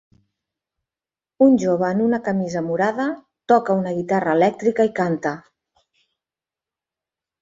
Un jove en una camisa Morada toca una guitarra elèctrica i canta.